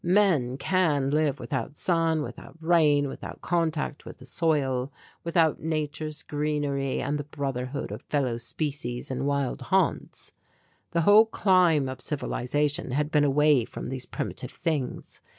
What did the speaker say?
Men can live without sun, without rain, without contact with the soil, without nature's greenery and the brotherhood of fellow species in wild haunts. The whole climb of civilization had been away from these primitive things.